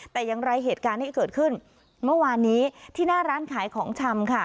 แต่อย่างไรเหตุการณ์ที่เกิดขึ้นเมื่อวานนี้ที่หน้าร้านขายของชำค่ะ